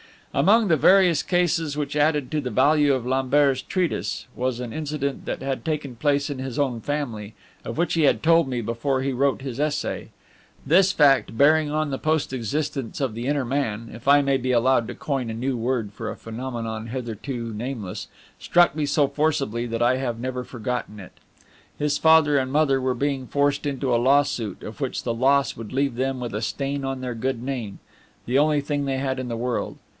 Among the various cases which added to the value of Lambert's Treatise was an incident that had taken place in his own family, of which he had told me before he wrote his essay. This fact, bearing on the post existence of the inner man, if I may be allowed to coin a new word for a phenomenon hitherto nameless, struck me so forcibly that I have never forgotten it. His father and mother were being forced into a lawsuit, of which the loss would leave them with a stain on their good name, the only thing they had in the world.